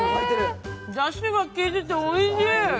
だしがきいてておいしい。